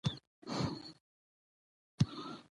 مېلې د ټولني د پرمختګ او سولي لامل ګرځي.